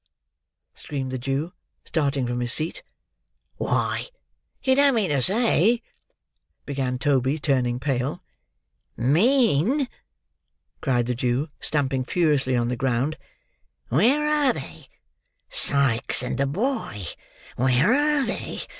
screamed the Jew, starting from his seat. "Why, you don't mean to say—" began Toby, turning pale. "Mean!" cried the Jew, stamping furiously on the ground. "Where are they? Sikes and the boy! Where are they?